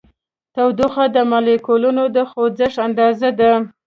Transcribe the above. تودوخه د مالیکولونو د خوځښت اندازه ده.